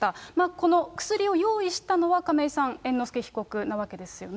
この薬を用意したのは亀井さん、猿之助被告なわけですよね。